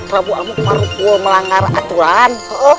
prabu amukmarukul melanggar aturan